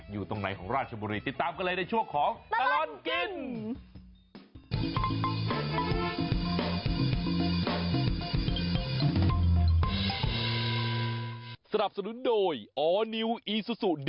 อยู่ตรงไหนของราชบุรีติดตามกันเลยในช่วงของตลอดกิน